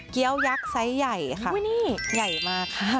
เกี้ยวยักษ์ไซส์ใหญ่ค่ะใหญ่มากค่ะ